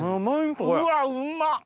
うわうまっ！